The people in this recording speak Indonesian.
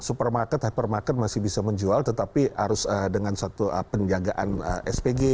supermarket hypermarket masih bisa menjual tetapi harus dengan satu penjagaan spg